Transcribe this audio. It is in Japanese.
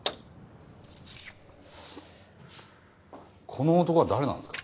この男は誰なんですか？